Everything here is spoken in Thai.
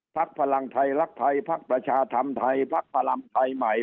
พลังไทยรักไทยพักประชาธรรมไทยพักพลังไทยใหม่